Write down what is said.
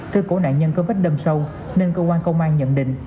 cư cổ nạn nhân có vết đâm sâu nên cơ quan công an nhận định